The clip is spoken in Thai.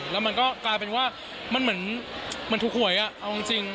แล้วมันก็กลายเป็นว่ามันเหมือนถูกหวยเอาจริง